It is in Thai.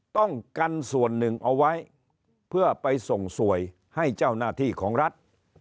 ต้องกันส่วนหนึ่งเอาไว้เพื่อไปส่งสวยให้เจ้าหน้าที่ของรัฐ